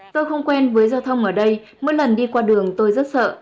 tôi không quen với giao thông ở đây mỗi lần đi qua đường tôi rất sợ